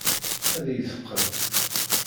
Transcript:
Ad iyi-teqqen.